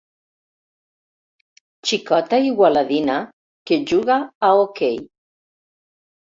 Xicota igualadina que juga a hoquei.